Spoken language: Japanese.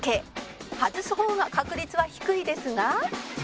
外す方が確率は低いですが